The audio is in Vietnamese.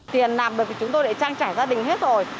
tiền làm bởi vì chúng tôi đã trang trải gia đình hết rồi